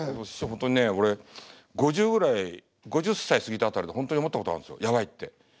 本当にね俺５０ぐらい５０歳過ぎた辺りで本当に思ったことあるんすよやばいって。